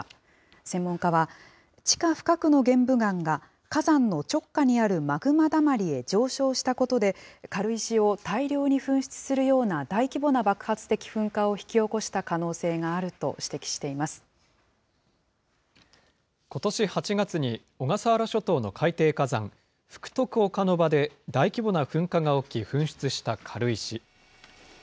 専門家は、地下深くの玄武岩が、火山の直下にあるマグマだまりへ上昇したことで、軽石を大量に噴出するような大規模な爆発的噴火を引き起こした可能性があると指ことし８月に、小笠原諸島の海底火山、福徳岡ノ場で、大規模な噴火が起き、噴出した軽石。